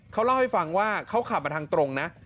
เขาเล่าให้ฟังว่าเขาขับมาทางตรงนะ